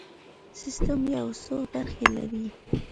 سیستم یو څو برخې لري.